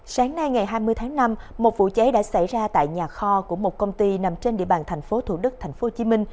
sáng nay ngày hai mươi tháng năm một vụ cháy đã xảy ra tại nhà kho của một công ty nằm trên địa bàn thành phố thủ đức tp hcm